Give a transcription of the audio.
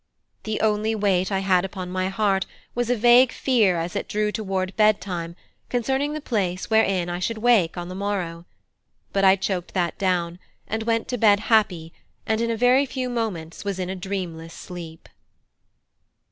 The only weight I had upon my heart was a vague fear as it drew toward bed time concerning the place wherein I should wake on the morrow: but I choked that down, and went to bed happy, and in a very few moments was in a dreamless sleep.